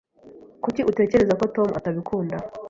Kuki utekereza ko Tom atabikunda?